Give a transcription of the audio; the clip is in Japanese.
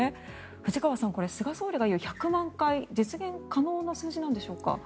藤川さん、これ、菅総理が言う１００万回は実現可能な数字なんでしょうか？